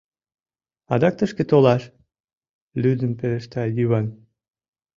— Адак тышке толаш? — лӱдын пелешта Йыван.